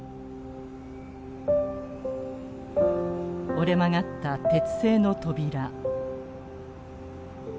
折れ曲がった鉄製の扉。